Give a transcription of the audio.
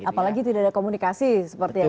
apalagi tidak ada komunikasi seperti yang